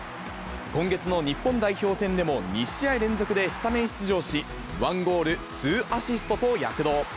今月の日本代表戦でも２試合連続でスタメン出場し、１ゴール２アシストと躍動。